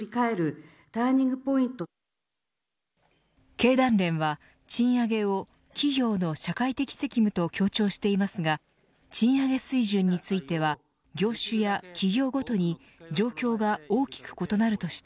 経団連は賃上げを企業の社会的責務と強調していますが賃上げ水準については業種や企業ごとに状況が大きく異なるとして